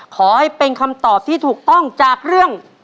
ขอให้เป็นคำตอบที่ถูกต้องจากเรื่อง